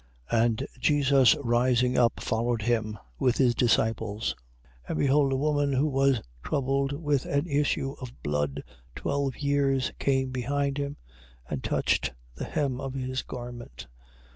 9:19. And Jesus rising up followed him, with his disciples. 9:20. And behold a woman who was troubled with an issue of blood twelve years, came behind him, and touched the hem of his garment.